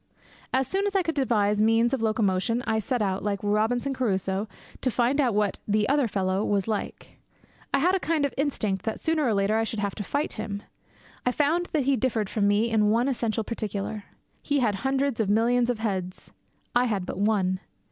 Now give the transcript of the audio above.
As soon as I could devise means of locomotion, I set out, like Robinson Crusoe, to find out what The Other Fellow was like. I had a kind of instinct that sooner or later I should have to fight him. I found that he differed from me in one essential particular. He had hundreds of millions of heads; I had but one.